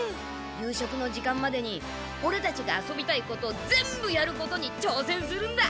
夕食の時間までにオレたちが遊びたいこと全部やることに挑戦するんだ！